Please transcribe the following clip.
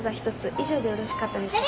以上でよろしかったでしょうか？